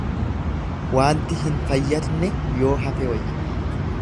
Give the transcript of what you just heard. Waanti hin fayyadne yoo hafe wayya.